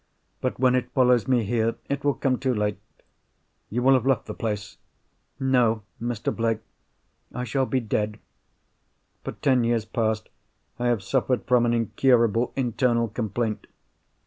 But when it follows me here, it will come too late." "You will have left the place?" "No, Mr. Blake—I shall be dead. For ten years past I have suffered from an incurable internal complaint.